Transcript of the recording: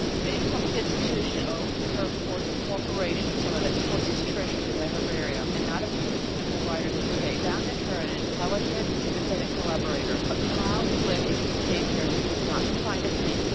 Many public institutions owed to her cordial coöperation some of the choicest treasures in their herbaria, and not a few botanical writers of her day found in her an intelligent and sympathetic collaborator. But Frau Kablick's interest in nature was not confined to plants.